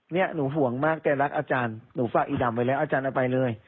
เนี่ยหนูห่วงมากแกรักอาจารย์หนูฝากอีดำไว้แล้วอาจารย์เอาไปเลย